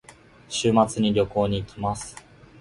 週末に旅行に行きます。